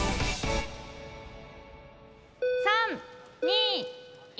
３２１。